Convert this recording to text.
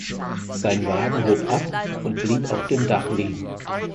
Sein Wagen hob ab und blieb auf dem Dach liegen.